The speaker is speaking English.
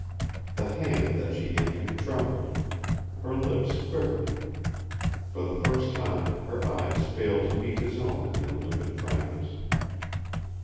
The hand that she gave him trembled. Her lips quivered. For the first time her eyes failed to meet his own in their limpid frankness.